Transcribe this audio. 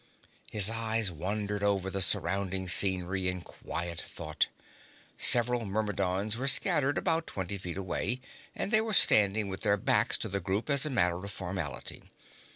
His eyes wandered over the surrounding scenery in quiet thought. Several Myrmidons were scattered about twenty feet away, and they were standing with their backs to the group as a matter of formality.